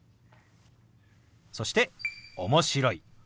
そして「面白い」。